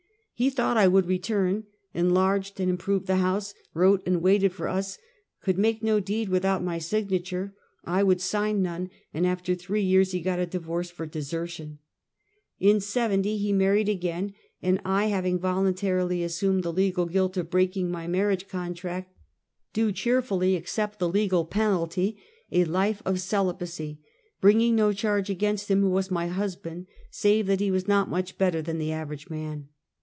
He thought I would return; enlarged and improved the house, wrote and waited for us ; could make no deed without my signature; I would sign none, and after three years he got a divorce for desertion. In '70 he married again, and I having, voluntarily, assumed the legal guilt of breaking my marriage contract, do cheerfully accept the legal penalty— a life of celibacy — bringing no charge against him who was my husband, save that he was not much better than the average man.